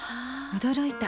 驚いた。